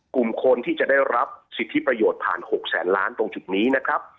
กลุ่มคนที่จะได้รับสิทธิประโยชน์ผ่าน๖แสนล้านตรงจุดนี้นะครับ